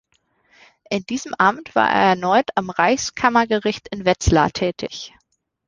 In diesem Amt war er erneut am Reichskammergericht in Wetzlar tätig.